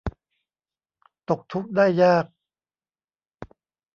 ตกทุกข์ได้ยาก